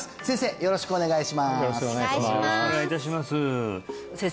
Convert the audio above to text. よろしくお願いします先生